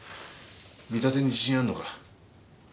見立てに自信あんのか？